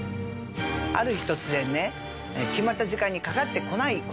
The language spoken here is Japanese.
ある日突然ね決まった時間にかかってこない事がありました。